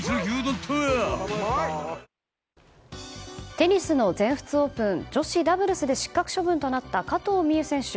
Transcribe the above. テニスの全仏オープン女子ダブルスで失格処分となった加藤未唯選手。